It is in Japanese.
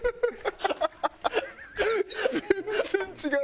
全然違う。